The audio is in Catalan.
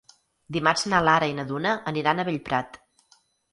Dimarts na Lara i na Duna aniran a Bellprat.